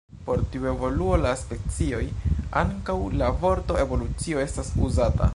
Por tiu evoluo de la specioj ankaŭ la vorto "evolucio" estas uzata.